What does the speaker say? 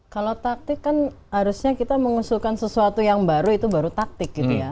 kalau taktik kan harusnya kita mengusulkan sesuatu yang baru itu baru taktik gitu ya